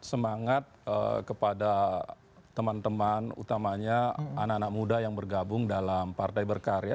semangat kepada teman teman utamanya anak anak muda yang bergabung dalam partai berkarya